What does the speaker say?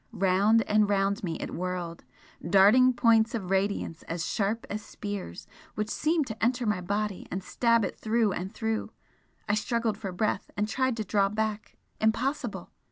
Round and round me it whirled, darting points of radiance as sharp as spears which seemed to enter my body and stab it through and through I struggled for breath and tried to draw back, impossible!